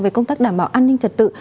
về công tác đảm bảo an ninh trật tự